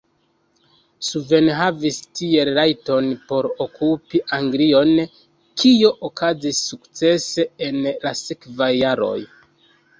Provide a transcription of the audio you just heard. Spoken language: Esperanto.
Sven havis tiel rajton por okupi Anglion, kio okazis sukcese en la sekvaj jaroj.